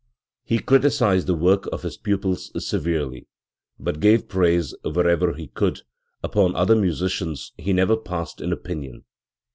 He criticised the work of his pupils severely, but gave praise wherever he could; upon other musicians he never passed an opinion.